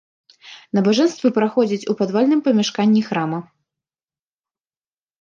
Набажэнствы праходзяць у падвальным памяшканні храма.